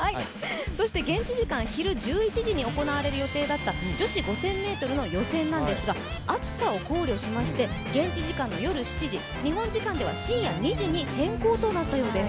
現地時間昼１１時に行われる予定だった女子５０００ｍの予選なんですが、暑さを考慮しまして現地時間の夜７時、日本時間では深夜２時に変更となったようです。